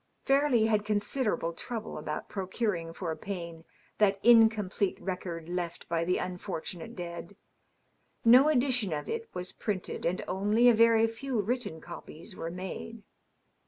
Fairleigh had considerable trouble about procuring for Payne that incomplete record left by the unfortunate dead. No edition of it was printed, and only a very few written copies were made.